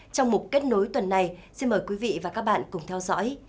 trong mục kết nối tuần này xin mời quý vị và các bạn cùng theo dõi